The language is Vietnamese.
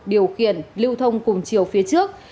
điều khiển lưu thông cùng chiều phía trước